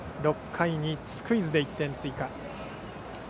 ６回にスクイズで１点追加。